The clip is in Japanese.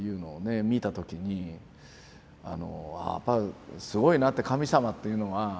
見た時にやっぱりすごいなって神様っていうのは。